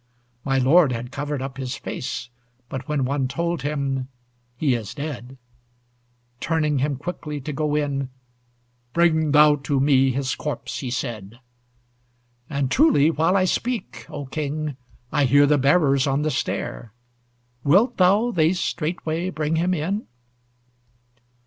My lord had covered up his face; But when one told him, "He is dead," Turning him quickly to go in, "Bring thou to me his corpse," he said. And truly while I speak, O King, I hear the bearers on the stair; Wilt thou they straightway bring him in?